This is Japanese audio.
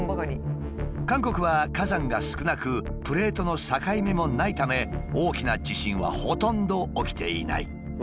韓国は火山が少なくプレートの境目もないため大きな地震はほとんど起きていない。